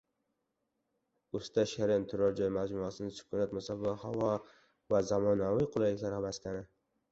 «Usta Shirin» turar-joy majmuasi – sukunat, musaffo havo va zamonaviy qulayliklar maskani